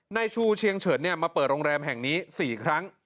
นายชูเชียงเฉินมาเปิดโรงแรมแห่งนี้๔ครั้ง